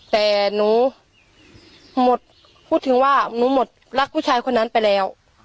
แต่หนูหมดพูดถึงว่าหนูหมดรักผู้ชายคนนั้นไปแล้ว